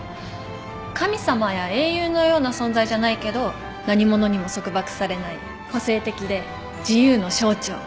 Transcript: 神様や英雄のような存在じゃないけど何者にも束縛されない個性的で自由の象徴。